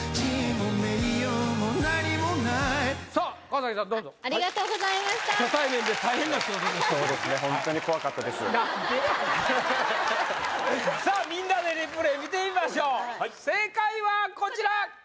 さっみんなでリプレイ見てみましょう正解はこちら！